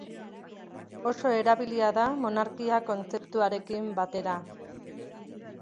Oso erabilia da monarkia kontzeptuarekin batera.